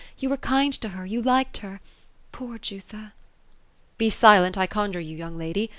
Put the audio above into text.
You were kind to her ; you liked her. Poor Jutha !"'* Be silent, I conjure you, young lady.